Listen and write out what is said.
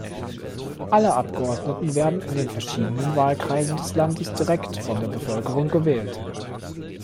Alle Abgeordneten werden in den verschiedenen Wahlkreisen des Landes direkt von der Bevölkerung gewählt.